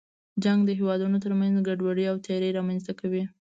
جنګ د هېوادونو تر منځ ګډوډي او تېرې رامنځته کوي.